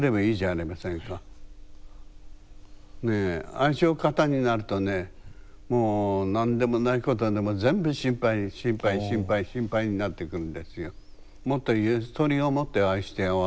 愛情過多になるとねもう何でもないことでも全部心配心配心配心配になっていくんですよ。